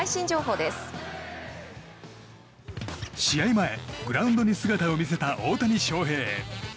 前、グラウンドに姿を見せた大谷翔平。